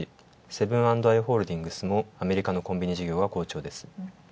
セブン＆アイ・ホールディングスのアメリカのコンビニ事業は好調です。